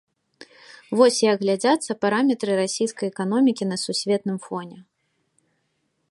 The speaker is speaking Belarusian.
Вось як глядзяцца параметры расійскай эканомікі на сусветным фоне.